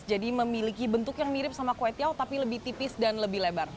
jadi memiliki bentuk yang mirip sama kue tiau tapi lebih tipis dan lebih lebar